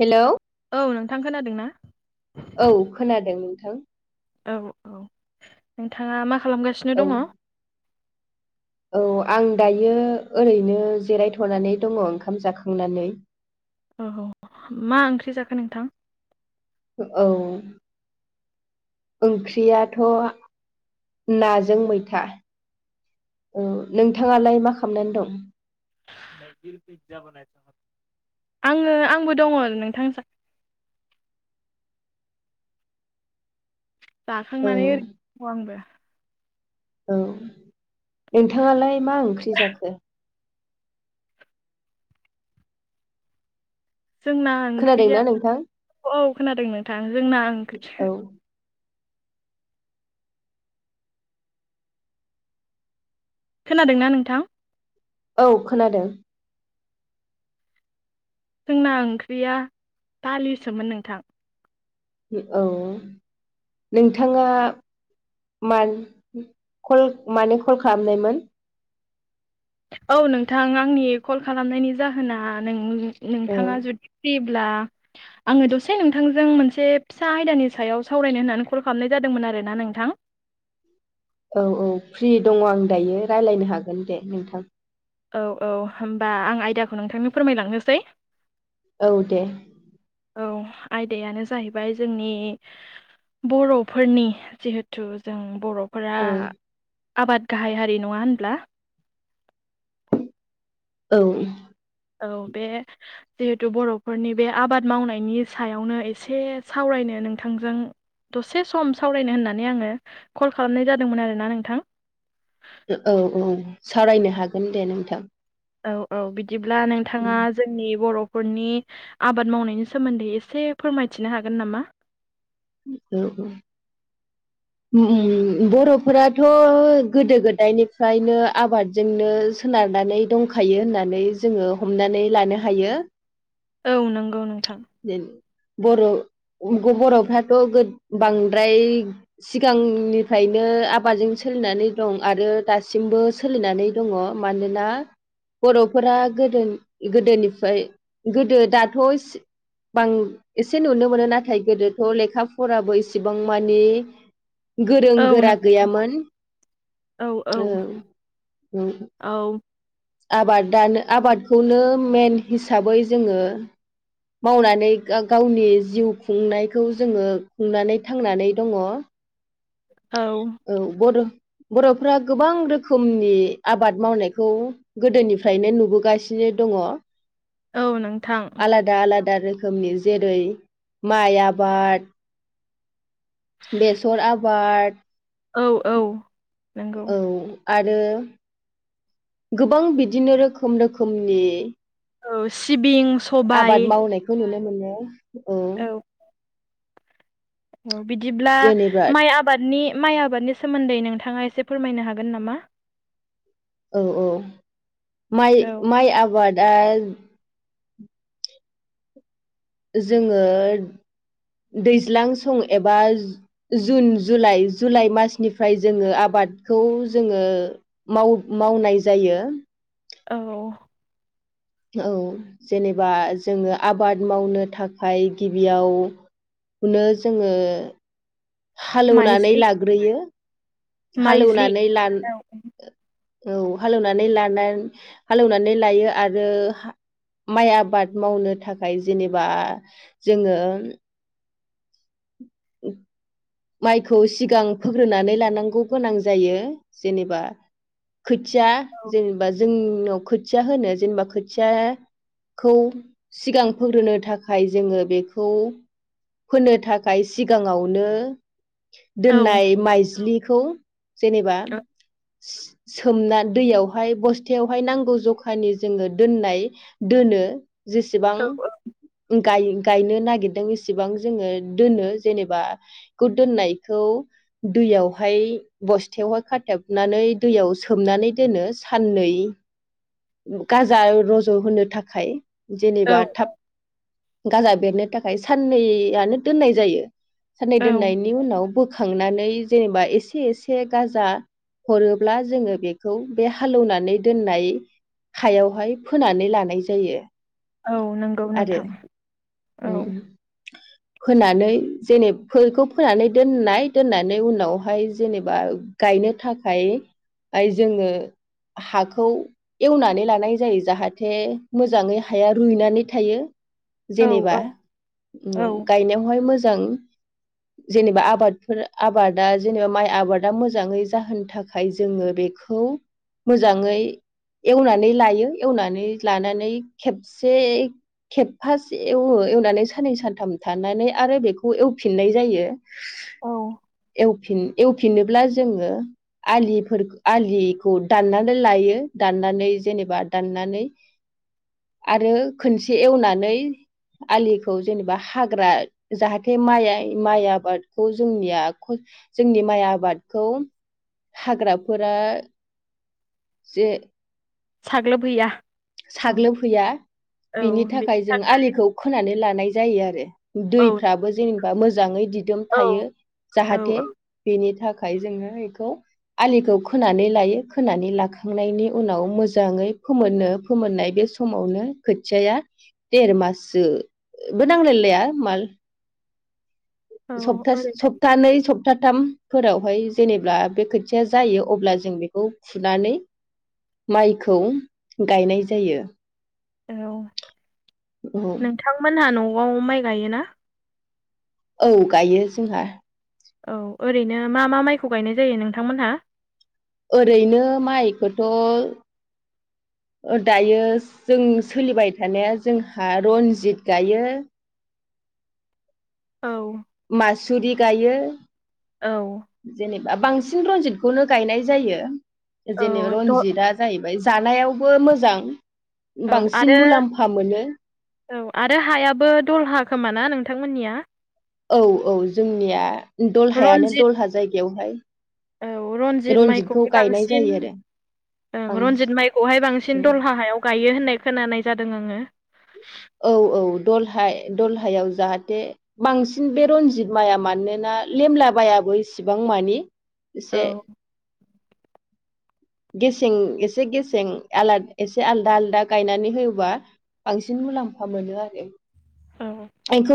हेल' औ नोंथां खोनादों ना? औ खोनादों नोंथां। औ औ नोंथाङा मा खालामगासिनो औ दङ? औ आं दायो ओरैनो जिरायथ'नानै दङ ओंखाम जाखांनानै औ मा ओंख्रि जाखो नोंथां? औ ओंख्रियाथ' नाजों मैथा। औ नोंथाङालाय मा खालामनानै दं? आङो आंबो दङ नोंथां औ जाखांनानै ओरैनो दं आंबो औ नोंथाङालाय मा ओंख्रि जाखो। जोंना ओंख्रिया खोनादोंना नोंथां औ खोनादों नोंथां जोंना ओंख्रिया औ खोनादों ना नोंथां? औ खोनादों। जोंना ओंख्रिया दालिसोमोन नोंथां। औ नोंथाङा मानो कल मानो कल खालामनायमोन? औ नोंथां आंनि कल खालामनायनि जाहोना नों औ नोंथाङा जुदि फ्रि [inaudible] आङो दसे नोंथांजों मोनसे फिसा आयदानि सायाव सावरायनो होननानै कल खालामनाय जादोंमोन आरो ना नोंथां औ औ फ्रि दङ आं दायो रायज्लायनो हागोन दे नोंथां औ औ होमबा आं आयदाखौ नोंथांनि फोरमायलांनोसै, औ दे। औ आयदायानो जाहैबाय जोंनि। बर'फोरनि जिहेथु जों बर'। फोरा औ आबाद गाहाय हारि नङा होनब्ला? औ। औ बे। जिहेथु बर'फोरनि बे आबाद मावनायनि सायावनो एसे सावरायनो नोंथांजों। दसे सम सावरायनो होननानै आङो कल खालामनाय जादोंमोन आरोना नोंथां। औ औ सावरायनो हागोन दे नोंथां। औ औ बिदिब्ला नोंथाङा। जोंनि बर'फोरनि आबाद मावनायनि सोमोन्दै एसे फोरमायथिनो हागोन नामा? औ औ। ओम ओम बर'फोराथ' गोदो गोदायनिफ्रायनो आबादजोंनो सोनारनानै दंखायो होननानै जोङो हमनानै लानो हायो। औ नंगौ नोंथां। बर' बर'फ्राथ' गो बांद्राय। सिगांनिफ्रायनो आबादजों सोलिनानै दं आरो दासिमबो। सोलिनानै दङ मानोना। बर'फोरा गोदो गोदोनिफ्राय गोदो दाथ' बां एसे नुनो मोनो नाथाय गोदोथ' लेख लेखा फराबो इसिबां मानि। गोरों औ गोरा नों गैयामोन औ औ। औ। आबादानो आबादखौनो मेन हिसाबै जोङो। मावनानै गावनि जिउ खुंनायखौ जोङो खुंनानै थांनानै दङ। औ। औ बर' बर'फ्रा गोबां रोखोमनि आबाद मावनायखौ। गोदोनिफ्रायनो नुबोगासिनो दङ। औ नोंथां। दा आलादा रोखोमनि जेरै माइ आबाद। बेसर आबाद औ औ नंगौ औ आरो। गोबां बिदिनो रोखोम रोखोमनि। औ सिबिं स आबाद मावनायखौ नुनो मोनो औ औ बिदिब्ला जेनेबा माइ आब आबादनि माइ आबादनि सोमोन्दै नोंथाङा एसे फोरमायनो हागोन नामा? औ औ माइ औ माइ आबादा। जोङो दैज्लां सम एबा जुन जुलाइ जुलाइ मासनिफ्राय जोङो आबादखौ जोङो। माव मावनाय जायो। औ। औ जेनेबा जोङो आबाद मावनो थाखाय गिबियाव। खौनो जोङो हालौवनानै माइज्लि लाग्रोयो। माइज्लि हालौनानै लान औ औ हालौनो हालौनानै लायो आरो हा माइ आबाद मावनो थाखाय जेनेबा जोङो। [unintelligible] माइखौ सिगां फोग्रोनानै लानांगौ गोनां जायो जेनेबा। खोथिया जेनेबा जोंनाव खोथिया होनो जेनेबा खोथिया। खौ सिगां फोग्रोनो थाखाय जोङो बेखौ फोनो थाखाय सिगाङावनो औ दोननाय माइज्लिखौ जेनेबा सोमना दैयावहाय बस्थायावहाय नांगौ जखानि जोङो दोननाय दोनो जेसेबां औ गाय गायनो नागिरदों एसेबां जोङो दोनो, जेनेबा गुद दोननायखौ, दैयावहाय बस्थायावहाय खाथेबनानै दैयाव सोमनानै दोनो साननै, गाजा रज' होनो थाखाय जेनेबा औ थाब गाजा बेरनो थाखाय साननैयानो दोननाय जायो सानै औ दोननायनि उनाव बोखांनानै जेनेबा एसे एसे गाजा हरोब्ला जोङो बेखौ बे हालेवनानै दोननाय हायावहाय फोनानै लानाय जायो औ नंगौ आरो नोंथां औ [unintelligible] फोनानै जेनेफोखौ फोनानै दोननाय दोननानै उनावहाय जेनेबा गायनो थाखाय याइ जोङो हाखौ एवनानै लानाय जायो जाहाथे मोजाङै हाया रुइनानै थायो औ जेनेबा औ औ गायनायावहाय मोजां [inaudible] जेनेबा आबादफोर आबादा जेनेबा माइ आबादा मोजाङै जाहोन थाखाय जोङो बेखौ मोजाङै एवनानै लायो एवनानै लानानै खेबसे खेबफा एवो एवनानै साननै सानथाम थानानै आरो बेखौ एवफिननाय जायो औ एवफि एवफिनोब्ला जोङो आलिफोर आलिखौ दाननानै लायो दाननानै जेनेबा दाननानै [inaudible] आरो खोनसे एवनानै आलिखौ जेनेबा हाग्रा जाहाथे माइ माइ आबादखौ जोंनिया जोंनि माइ आबादखौ हाग्राफोरा जे साग्लोबहैया औ साग्लोबहैया औ बिनि बेनि थाखाय जों आलिखौ खोनानै लानाय जायो आरो औ दैफ्राबो जेनेबा मोजाङै दिदोम औ थायो जाहाथे औ बेनि थाखाय ओमफ्राय जोङो बेखौ आलिखौ खोनानै लायो खोनानै लाखांनायनि उनाव मोजाङै फोमोननो फोमोननाय बे समावनो खोथियाया देर माससोबो नांलायलाया माल औ सबथासे सप्तानै सब सथाथामफोरावहाय जेनेबा बे खोथिया जायो अब्ला जों बेखौ फुनानै माइखौ गायनाय जायो औ औ नोंथांमोनहा न'आव माइ गायोना औ गायो जोंहा औ ओरैनो मा मा माइखौ गायनाय जायो नोंथांमोनहा ओरैनो माइखौथ' दायो जों सोलिबाय थानाया जोंहा रनजित गायो औ मासुरि गायो। औ जेनेबा बांसिन रनजितखौनो गायनाय जायो जेनेबा औ द रनजितआ जाहैबाय जानायावबो मोजां औ बांसिन आरो मुलाम्फा मोनो। औ आरो हायाबो दलहा खोमा ना नोंथांमोननिया? औ औ जोंनिया दलहायानो रनजित दलहा जायगायावहाय औ रनजित रनजितखौ माइखौह गायनाय बांसिन जायो आरो ओं बांसिन रनजित माइखौहाय बांसिन दलहा हायाव गायो होननाय खोनानाय जादों आङो। औ औ दलहा दलहायाव जाहाथे बांसिन बे रनजित माइआ मानोना लेमला बायाबो इसिबां मानि। एसे औ गेसें एसे गेसें आला एसे आलदा आलदा गायनानै होयोबा। बांसिन मुलाम्फा मोनो आरो। औ। एखौ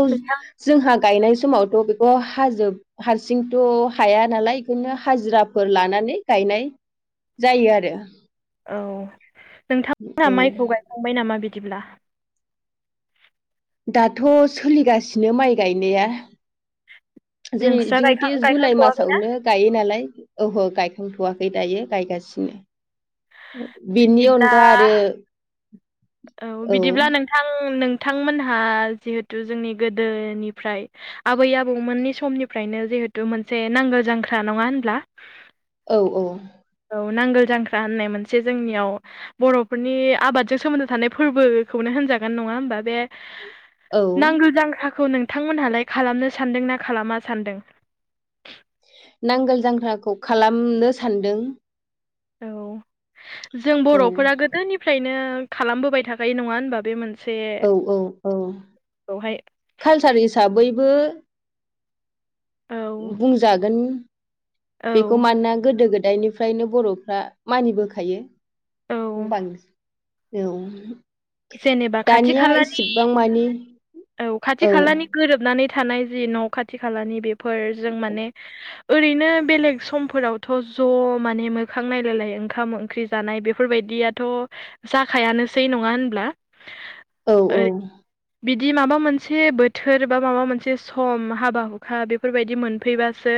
जोंहा गायनाय समावथ' बेखौ हाजोब हारसिंथ' हाया नालाय एखायनो हाजिराफोर लानानै गायनाय जायो आरो। औ नोंथांमोना औ माइखौ गायखांबाय नामा बिदिब्ला? दाथ' सोलिगासिनो माइ गायनाया। जों नोंस्रा गायखां जिहुते जुलाइ गायखांथ'वाखैना मासावनो गायो नालाय ओहो गायखांथ'वाखै दायो गायगासिनो। बिनि बिदिब्ला अनगा आरो औ बिदिब्ला नोंथां नोंथांमोनहा जिहेथु जोंनि गोदोनिफ्राय। आबै आबौमोननि समनिफ्रायनो जिहेथु मोनसे नांगौ जांख्रा नङा होनब्ला। औ औ। औ नांगोल जांख्रा होननाय मोनसे जोंनियाव बर'फोरनि आबादजों सोमोन्दो थानाय फोरबोखौनो होनजागोन नङा होमबा बे औ नांगोलजांख्राखौ नों थांमोनहालाय खालामनो सानदों ना खालामा सानदों? नांगोल जांख्राखौ खालामनो सानदों। औ जों औ बर'फोरा गोदोनिफ्रायनो खालामबोबाय थाबाय नङा होनबा बे मोन औ औ औ खौहाय कालसार हिसाबैबो। औ बुंजागोन औ बेखौ मानोना गोदो गोदायनिफ्रायनो बर' फ्रा मानिबोखायो औ बां औ जेनेबा खाथि दानिया खालानि एसेबां मानि औ खाथि खालानि गोरोबनानै थानाय जि न' खाथि खालानि बेफोरजों माने ओरैनो बेलेग समफोरावथ' ज' माने मोखां नायलायलाय ओंखाम-ओंख्रि जानाय बेफोरबायदिया थ' जाखायानोसै नङा होनब्ला। औ औ। ओरै बिदि माबा मोनसे बोथोर बा माबा मोनसे सम हाबा-हुखा बेफोरबायदि मोनफैबासो।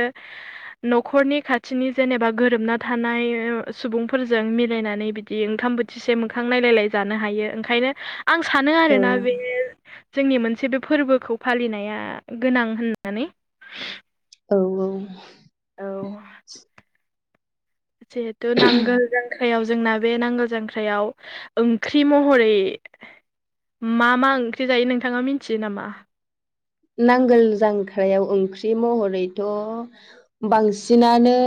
न'खरनि खाथिनि जेनेबा गोरोबना थानाय सुबुंफोरजों मिलायनानै बिदि बि ओंखाम बोथिसे मोखां नायलायलाय जानो हायो ओंखायनो आं सानो औ आरोना बे जोंनि मोनसे बे फोरबोखौ फालिनाया गोनां होननानै। औ औ। औ। जिहेथ' नांगोल जों जांख्रायाव जोंना बे नांगोल जांख्रायाव ओंख्रि महरै मा मा ओंख्रि जायो नोंथाङा मिथियो नामा? नांगोल जांख्रायाव ओंख्रि महरैथ' बांसिनानो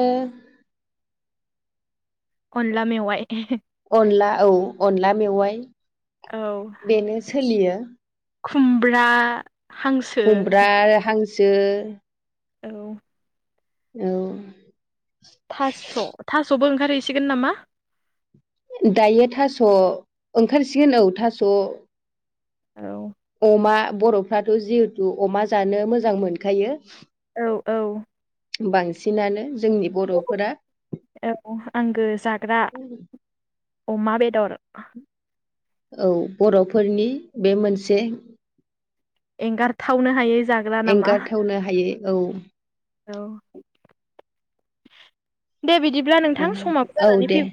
अनला मेवाइ। अनला औ अनला मेवाइ। औ बेनो सोलियो खुमब्रा। हांसो खुमब्रा आरो हांसो औ। औ। थास' थास'बो ओंखारहैसिगोन नामा? दायो थास' ओंखारसिगोन औ थास' औ अमा बर'फ्राथ' जिहेथु अमा जानो मोजां मोनखायो। औ औ। बांसिनानो जोंनि बर'फोरा औ आंगो जाग्रा अमा बेदर औ बर'फोरनि बे मोनसे एंगारथावनो हायै जागोन। एंगारथावनो हायै औ। औ। दे बिदिब्ला नोंथां समाबो औ जानानै दे फै